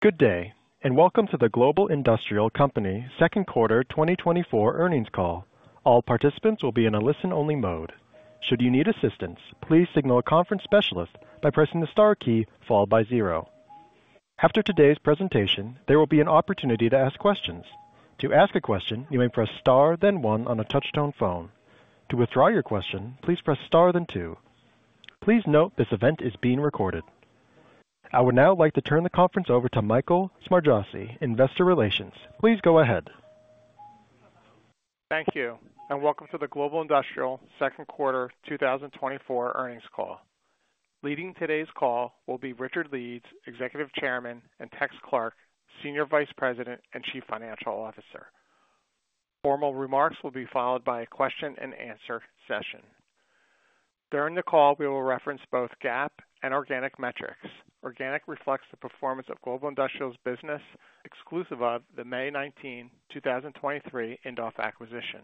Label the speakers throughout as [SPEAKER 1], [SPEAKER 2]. [SPEAKER 1] Good day, and welcome to the Global Industrial Company Second Quarter 2024 Earnings Call. All participants will be in a listen-only mode. Should you need assistance, please signal a conference specialist by pressing the star key, followed by zero. After today's presentation, there will be an opportunity to ask questions. To ask a question, you may press star, then one on a touch-tone phone. To withdraw your question, please press star then two. Please note this event is being recorded. I would now like to turn the conference over to Michael Smargiassi, Investor Relations. Please go ahead.
[SPEAKER 2] Thank you, and welcome to the Global Industrial second quarter 2024 earnings call. Leading today's call will be Richard Leeds, Executive Chairman, and Tex Clark, Senior Vice President and Chief Financial Officer. Formal remarks will be followed by a question-and-answer session. During the call, we will reference both GAAP and organic metrics. Organic reflects the performance of Global Industrial's business exclusive of the May 19th, 2023, Indoff acquisition.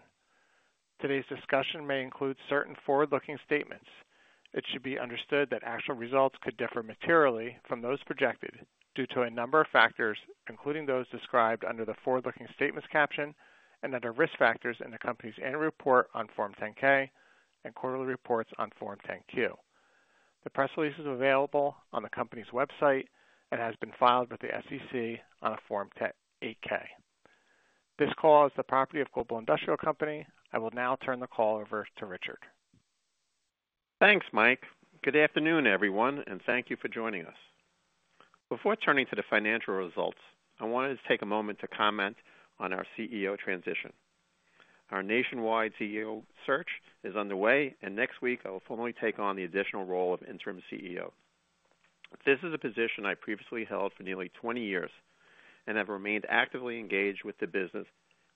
[SPEAKER 2] Today's discussion may include certain forward-looking statements. It should be understood that actual results could differ materially from those projected due to a number of factors, including those described under the forward-looking statements caption and under risk factors in the company's annual report on Form 10-K and quarterly reports on Form 10-Q. The press release is available on the company's website and has been filed with the SEC on a Form 8-K. This call is the property of Global Industrial Company. I will now turn the call over to Richard.
[SPEAKER 3] Thanks, Mike. Good afternoon, everyone, and thank you for joining us. Before turning to the financial results, I wanted to take a moment to comment on our CEO transition. Our nationwide CEO search is underway, and next week I will formally take on the additional role of interim CEO. This is a position I previously held for nearly 20 years and have remained actively engaged with the business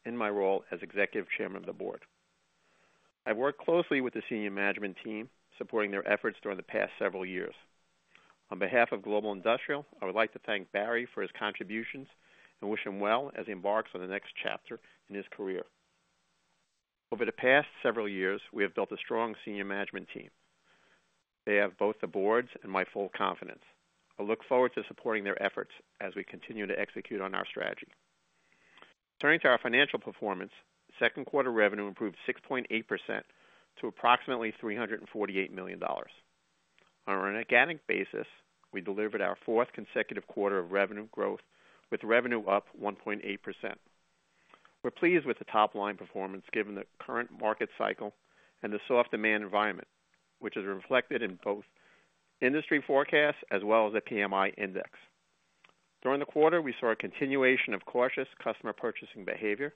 [SPEAKER 3] in my role as Executive Chairman of the Board. I've worked closely with the senior management team, supporting their efforts during the past several years. On behalf of Global Industrial, I would like to thank Barry for his contributions and wish him well as he embarks on the next chapter in his career. Over the past several years, we have built a strong senior management team. They have both the Board's and my full confidence. I look forward to supporting their efforts as we continue to execute on our strategy. Turning to our financial performance, second quarter revenue improved 6.8% to approximately $348 million. On an organic basis, we delivered our fourth consecutive quarter of revenue growth, with revenue up 1.8%. We're pleased with the top-line performance, given the current market cycle and the soft demand environment, which is reflected in both industry forecasts as well as the PMI Index. During the quarter, we saw a continuation of cautious customer purchasing behavior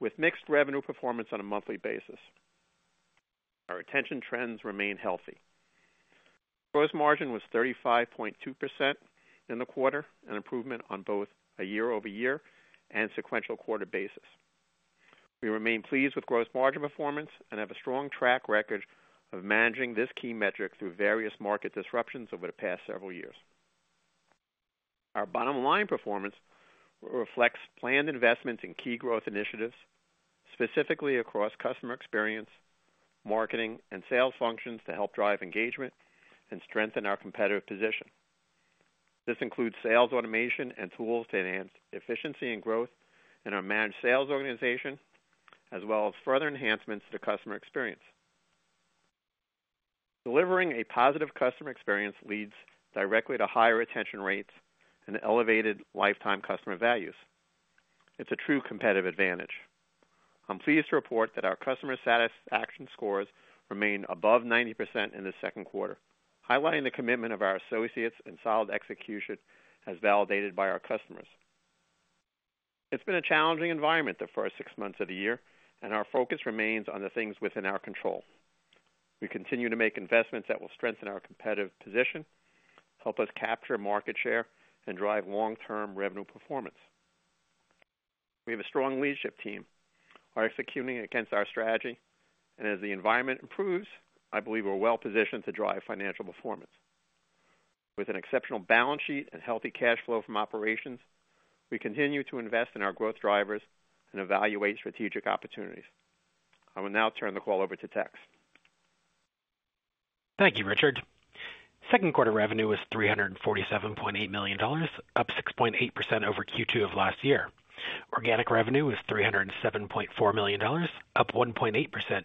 [SPEAKER 3] with mixed revenue performance on a monthly basis. Our retention trends remain healthy. Gross margin was 35.2% in the quarter, an improvement on both a YoY and sequential quarter basis. We remain pleased with gross margin performance and have a strong track record of managing this key metric through various market disruptions over the past several years. Our bottom line performance reflects planned investments in key growth initiatives, specifically across customer experience, marketing, and sales functions to help drive engagement and strengthen our competitive position. This includes sales automation, and tools to enhance efficiency and growth in our managed sales organization, as well as further enhancements to customer experience. Delivering a positive customer experience leads directly to higher retention rates and elevated lifetime customer values. It's a true competitive advantage. I'm pleased to report that our customer satisfaction scores remain above 90% in the second quarter, highlighting the commitment of our associates and solid execution as validated by our customers. It's been a challenging environment the first six months of the year, and our focus remains on the things within our control. We continue to make investments that will strengthen our competitive position, help us capture market share, and drive long-term revenue performance. We have a strong leadership team are executing against our strategy, and as the environment improves, I believe we're well positioned to drive financial performance. With an exceptional balance sheet and healthy cash flow from operations, we continue to invest in our growth drivers and evaluate strategic opportunities. I will now turn the call over to Tex.
[SPEAKER 4] Thank you, Richard. Second quarter revenue was $347.8 million, up 6.8% over Q2 of last year. Organic revenue was $307.4 million, up 1.8%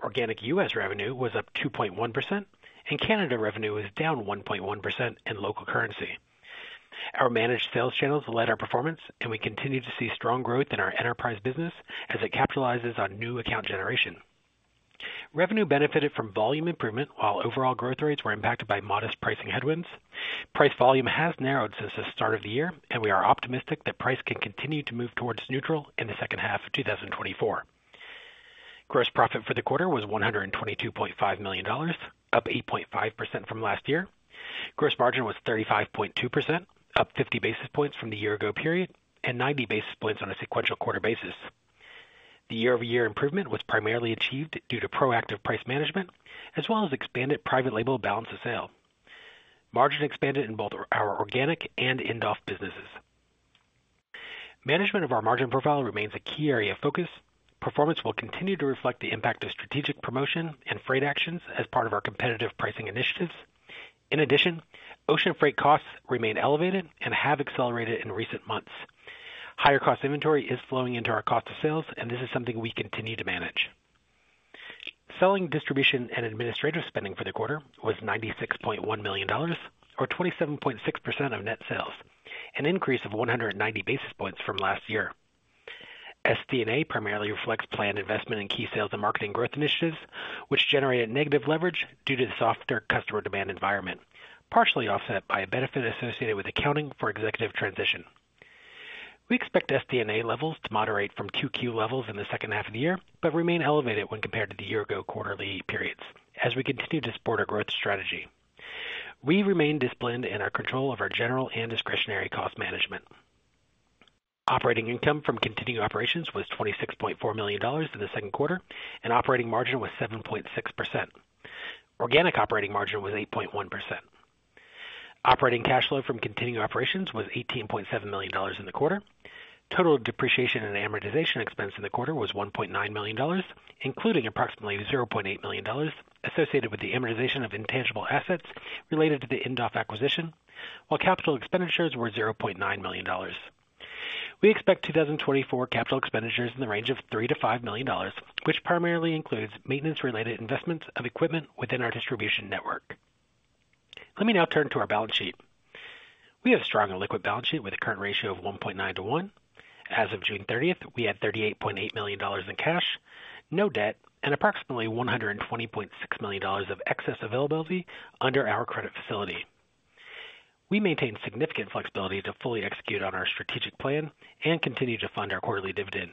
[SPEAKER 4] YoY. Organic U.S. revenue was up 2.1%, and Canada revenue was down 1.1% in local currency. Our managed sales channels led our performance, and we continue to see strong growth in our enterprise business as it capitalizes on new account generation. Revenue benefited from volume improvement, while overall growth rates were impacted by modest pricing headwinds. Price volume has narrowed since the start of the year, and we are optimistic that price can continue to move towards neutral in the second half of 2024. Gross profit for the quarter was $122.5 million, up 8.5% from last year. Gross margin was 35.2%, up 50 basis points from the year ago period and 90 basis points on a sequential quarter basis. The YoY improvement was primarily achieved due to proactive price management as well as expanded private label balance of sales. Margin expanded in both our organic and Indoff businesses. Management of our margin profile remains a key area of focus. Performance will continue to reflect the impact of strategic promotion and freight actions as part of our competitive pricing initiatives. In addition, ocean freight costs remain elevated and have accelerated in recent months. Higher cost inventory is flowing into our cost of sales, and this is something we continue to manage. Selling, distribution, and administrative spending for the quarter was $96.1 million, or 27.6% of net sales, an increase of 190 basis points from last year. SD&A primarily reflects planned investment in key sales and marketing growth initiatives, which generated negative leverage due to the softer customer demand environment, partially offset by a benefit associated with accounting for executive transition. We expect SD&A levels to moderate from Q2 levels in the second half of the year, but remain elevated when compared to the year ago quarterly periods as we continue to support our growth strategy. We remain disciplined in our control over general and discretionary cost management. Operating income from continuing operations was $26.4 million in the second quarter, and operating margin was 7.6%. Organic operating margin was 8.1%. Operating cash flow from continuing operations was $18.7 million in the quarter. Total depreciation and amortization expense in the quarter was $1.9 million, including approximately $0.8 million associated with the amortization of intangible assets related to the Indoff acquisition, while capital expenditures were $0.9 million. We expect 2024 capital expenditures in the range of $3 million-$5 million, which primarily includes maintenance-related investments of equipment within our distribution network. Let me now turn to our balance sheet. We have a strong and liquid balance sheet with a current ratio of 1.9 to 1. As of June 30th, we had $38.8 million in cash, no debt, and approximately $120.6 million of excess availability under our credit facility. We maintain significant flexibility to fully execute on our strategic plan and continue to fund our quarterly dividend.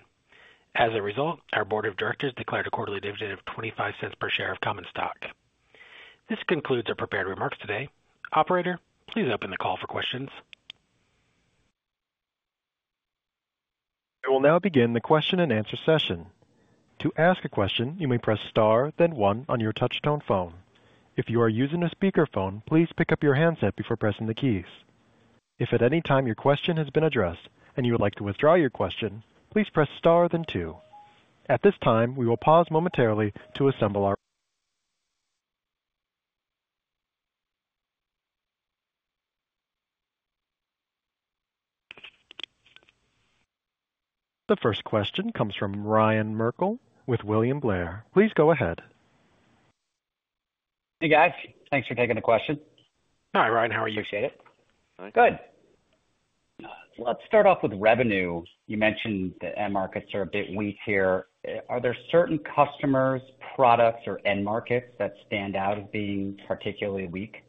[SPEAKER 4] As a result, our Board of Directors declared a quarterly dividend of $0.25 per share of common stock. This concludes our prepared remarks today. Operator, please open the call for questions.
[SPEAKER 1] I will now begin the question and answer session. To ask a question, you may press star, then one on your touch-tone phone. If you are using a speakerphone, please pick up your handset before pressing the keys. If at any time your question has been addressed and you would like to withdraw your question, please press star then two. At this time, we will pause momentarily to assemble. The first question comes from Ryan Merkel with William Blair. Please go ahead.
[SPEAKER 5] Hey, guys. Thanks for taking the question.
[SPEAKER 4] Hi, Ryan. How are you?
[SPEAKER 5] Appreciate it. Good. Let's start off with revenue. You mentioned the end markets are a bit weak here. Are there certain customers, products or end markets that stand out as being particularly weak?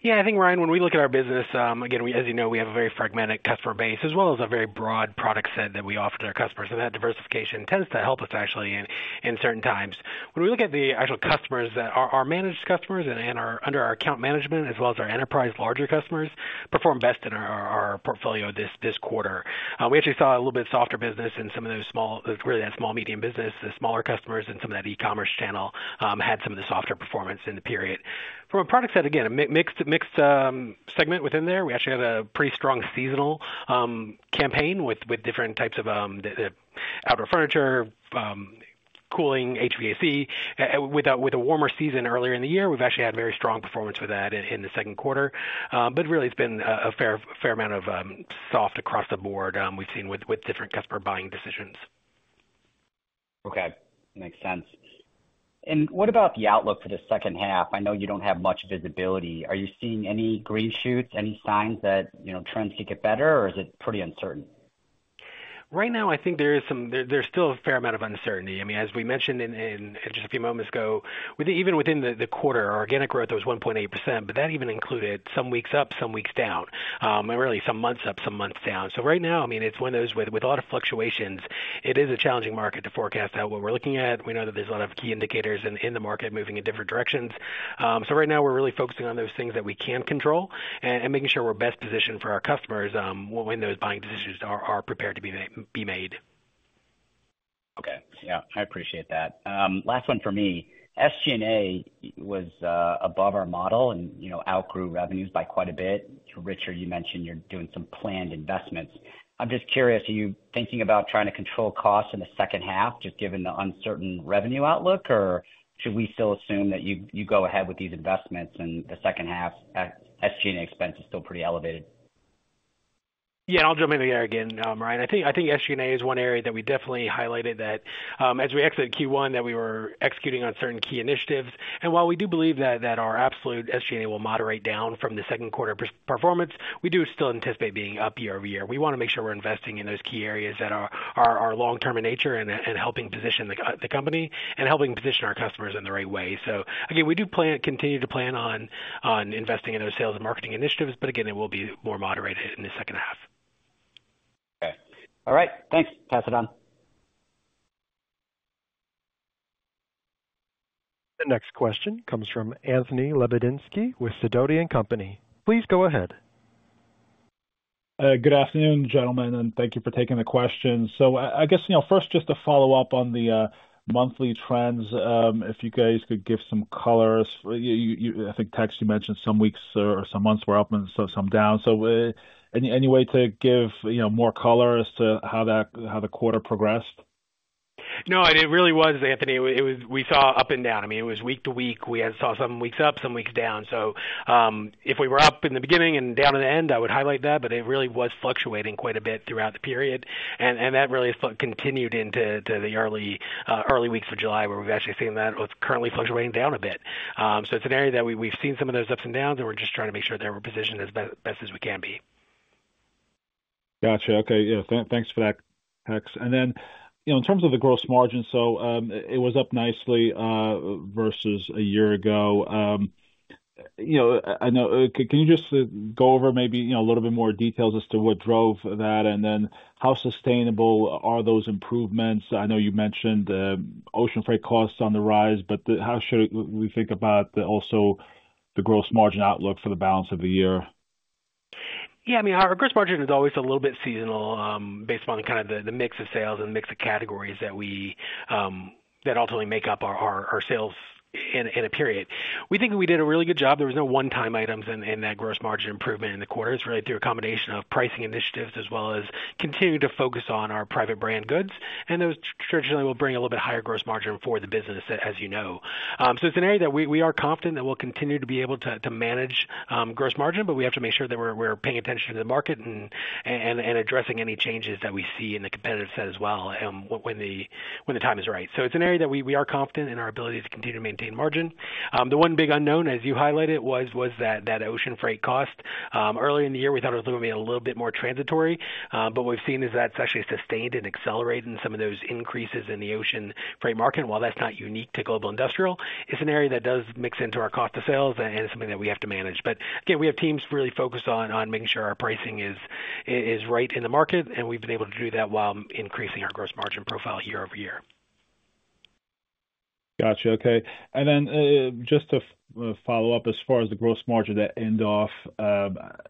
[SPEAKER 4] Yeah, I think, Ryan, when we look at our business, again, we as you know, we have a very fragmented customer base as well as a very broad product set that we offer to our customers, and that diversification tends to help us actually in, in certain times. When we look at the actual customers that are our managed customers and are under our account management, as well as our enterprise larger customers, perform best in our, our portfolio this, this quarter. We actually saw a little bit softer business in some of those small, really, that small, medium business, the smaller customers and some of that e-commerce channel, had some of the softer performance in the period. From a product set, again, a mixed, mixed, segment within there. We actually had a pretty strong seasonal campaign with different types of the outdoor furniture, cooling HVAC. With a warmer season earlier in the year, we've actually had very strong performance with that in the second quarter. But really, it's been a fair amount of soft across the board we've seen with different customer buying decisions.
[SPEAKER 5] Okay, makes sense. What about the outlook for the second half? I know you don't have much visibility. Are you seeing any green shoots, any signs that, you know, trends could get better, or is it pretty uncertain?
[SPEAKER 4] Right now, I think there's still a fair amount of uncertainty. I mean, as we mentioned in just a few moments ago, with even within the quarter, our organic growth was 1.8%, but that even included some weeks up, some weeks down, and really some months up, some months down. So right now, I mean, it's one of those with a lot of fluctuations, it is a challenging market to forecast out what we're looking at. We know that there's a lot of key indicators in the market moving in different directions. So right now we're really focusing on those things that we can control and making sure we're best positioned for our customers when those buying decisions are prepared to be made.
[SPEAKER 5] Okay. Yeah, I appreciate that. Last one for me. SD&A was above our model and, you know, outgrew revenues by quite a bit. Richard, you mentioned you're doing some planned investments. I'm just curious, are you thinking about trying to control costs in the second half, just given the uncertain revenue outlook, or should we still assume that you go ahead with these investments and the second half, SD&A expense is still pretty elevated?
[SPEAKER 4] Yeah, and I'll jump in there again, Ryan. I think, I think SD&A is one area that we definitely highlighted that, as we exited Q1, that we were executing on certain key initiatives. And while we do believe that, that our absolute SD&A will moderate down from the second quarter performance, we do still anticipate being up YoY. We want to make sure we're investing in those key areas that are long-term in nature and helping position the company and helping position our customers in the right way. So again, we do plan to continue to plan on investing in those sales and marketing initiatives, but again, it will be more moderated in the second half.
[SPEAKER 5] Okay. All right, thanks. Pass it on.
[SPEAKER 1] The next question comes from Anthony Lebiedzinski with Sidoti & Company. Please go ahead.
[SPEAKER 6] Good afternoon, gentlemen, and thank you for taking the question. So, I guess, you know, first, just to follow up on the monthly trends, if you guys could give some color. You—I think, Tex, you mentioned some weeks or some months were up and so some down. So, any way to give, you know, more color as to how that—how the quarter progressed?...
[SPEAKER 4] No, and it really was, Anthony. It was. We saw up and down. I mean, it was week to week. We had saw some weeks up, some weeks down. So, if we were up in the beginning and down in the end, I would highlight that, but it really was fluctuating quite a bit throughout the period. And that really continued into the early weeks of July, where we've actually seen that it's currently fluctuating down a bit. So it's an area that we, we've seen some of those ups and downs, and we're just trying to make sure that we're positioned as best as we can be.
[SPEAKER 6] Got you. Okay. Yeah, thanks for that, Tex. And then, you know, in terms of the gross margin, so, it was up nicely versus a year ago. You know, I know. Can you just go over maybe, you know, a little bit more details as to what drove that, and then how sustainable are those improvements? I know you mentioned ocean freight costs on the rise, but how should we think about the, also the gross margin outlook for the balance of the year?
[SPEAKER 4] Yeah, I mean, our gross margin is always a little bit seasonal, based upon kind of the mix of sales and the mix of categories that ultimately make up our sales in a period. We think we did a really good job. There was no one-time items in that gross margin improvement in the quarter. It's really through a combination of pricing initiatives, as well as continuing to focus on our private brand goods. And those traditionally will bring a little bit higher gross margin for the business, as you know. So it's an area that we, we are confident that we'll continue to be able to, to manage, gross margin, but we have to make sure that we're, we're paying attention to the market and addressing any changes that we see in the competitive set as well, when the time is right. So it's an area that we, we are confident in our ability to continue to maintain margin. The one big unknown, as you highlighted, was that ocean freight cost. Earlier in the year, we thought it was gonna be a little bit more transitory. But we've seen is that's actually sustained and accelerating some of those increases in the ocean freight market. While that's not unique to Global Industrial, it's an area that does mix into our cost of sales and is something that we have to manage. But again, we have teams really focused on making sure our pricing is right in the market, and we've been able to do that while increasing our gross margin profile year over year.
[SPEAKER 6] Got you. Okay. And then, just to, follow up, as far as the gross margin at Indoff,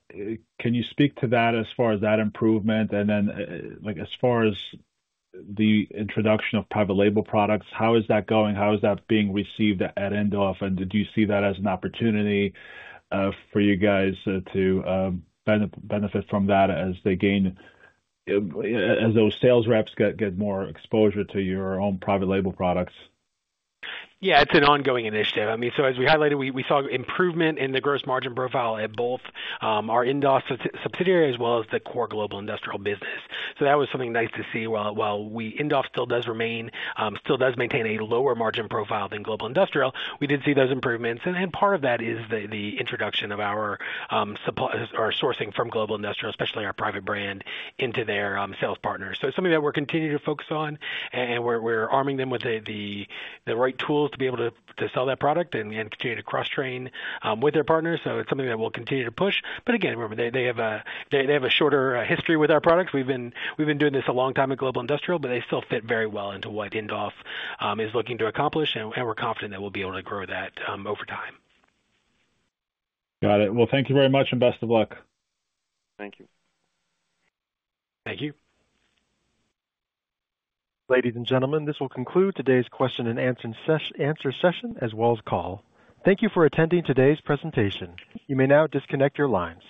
[SPEAKER 6] can you speak to that as far as that improvement? And then, like, as far as the introduction of private label products, how is that going? How is that being received at Indoff, and did you see that as an opportunity, for you guys to, benefit from that as they gain... As those sales reps get more exposure to your own private label products?
[SPEAKER 4] Yeah, it's an ongoing initiative. I mean, so as we highlighted, we saw improvement in the gross margin profile at both our Indoff subsidiary as well as the core Global Industrial business. So that was something nice to see. While Indoff still does remain, still does maintain a lower margin profile than Global Industrial, we did see those improvements. And part of that is the introduction of our sourcing from Global Industrial, especially our private brand, into their sales partners. So it's something that we're continuing to focus on, and we're arming them with the right tools to be able to sell that product and continue to cross-train with their partners. So it's something that we'll continue to push. But again, remember, they have a shorter history with our products. We've been doing this a long time at Global Industrial, but they still fit very well into what Indoff is looking to accomplish, and we're confident that we'll be able to grow that over time.
[SPEAKER 6] Got it. Well, thank you very much, and best of luck. Thank you.
[SPEAKER 4] Thank you.
[SPEAKER 1] Ladies and gentlemen, this will conclude today's question and answer session, as well as call. Thank you for attending today's presentation. You may now disconnect your lines.